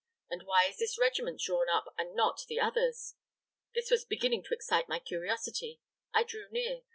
And why is this regiment drawn up and not the others? This was beginning to excite my curiosity. I drew near.